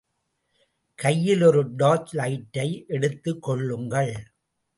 கையில் ஒரு டார்ச் லைட்டை எடுத்துக் கொள்ளுங்கள்.